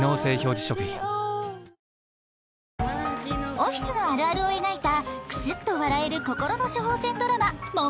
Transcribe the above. オフィスのあるあるを描いたクスっと笑える心の処方箋ドラマ